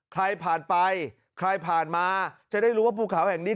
ใครผ่านไปใครผ่านมาจะได้รู้ว่าภูเขาแห่งนี้